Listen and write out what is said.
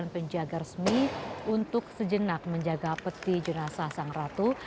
penjaga resmi untuk sejenak menjaga peti jenazah sang ratu